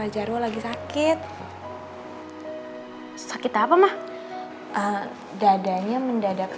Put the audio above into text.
jadi aku bisa nemenin mas